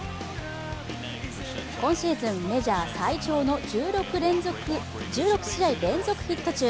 今シーズンメジャー最長の１６試合連続ヒット中。